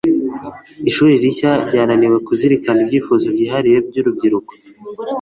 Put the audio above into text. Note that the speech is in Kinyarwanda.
ishuri rishya ryananiwe kuzirikana ibyifuzo byihariye byurubyiruko